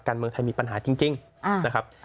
การเมืองไทยมีปัญหาจริงนะครับ